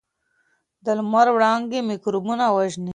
د لمر وړانګې میکروبونه وژني.